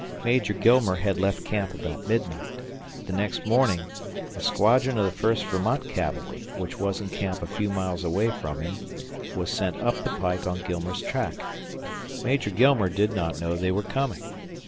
Major Gilmer had left camp about midnight. The next morning a squadron of the First Vermont Cavalry, which was in camp a few miles away from him, was sent up the pike on Gilmer's track. Major Gilmer did not know they were coming.